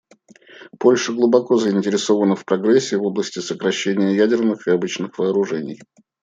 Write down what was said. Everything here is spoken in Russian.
Польша глубоко заинтересована в прогрессе в области сокращения ядерных и обычных вооружений.